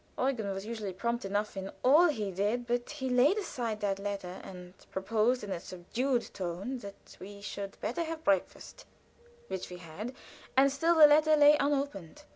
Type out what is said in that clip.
Eugen was usually prompt enough in all he did, but he laid aside that letter, and proposed in a subdued tone that we should have breakfast. Which we had, and still the letter lay unopened.